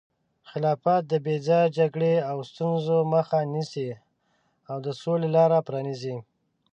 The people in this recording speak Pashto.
خلافت د بې ځایه جګړو او ستونزو مخه نیسي او د سولې لاره پرانیزي.